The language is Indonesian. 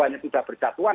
hanya sudah berjatuhan